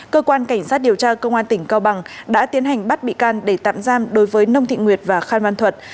cơ quan cảnh sát điều tra công an tỉnh cao bằng đã tiến hành bắt bị can để tạm giam đối với nông thị nguyệt và phan văn thuật